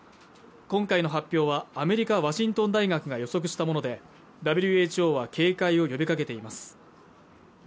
今回の発表はアメリカワシントン大学が予測したものでＷＨＯは警戒を呼びかけています